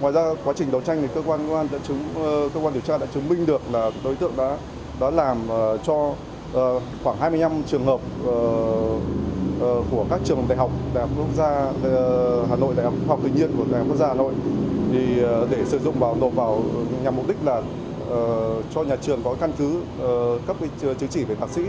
ngoài ra quá trình đấu tranh thì cơ quan điều tra đã chứng minh được là đối tượng đã làm cho khoảng hai mươi năm trường hợp của các trường đại học đại học quốc gia hà nội đại học tự nhiên của đại học quốc gia hà nội để sử dụng và đột vào nhằm mục đích là cho nhà trường có căn cứ cấp bằng chứng chỉ về thạc sĩ